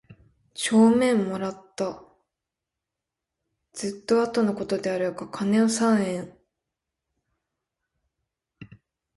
帳面も貰つた。是はずつと後の事であるが金を三円許り借してくれた事さへある。